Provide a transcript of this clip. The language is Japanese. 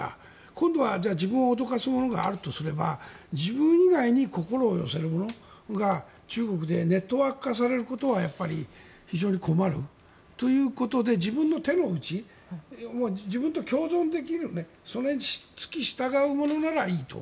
今度は自分を脅かすものがあるとすれば自分以外に心を寄せるものが中国でネットワーク化されることは非常に困るということで自分の手の内自分と共存できるそれに付き従うものならいいと。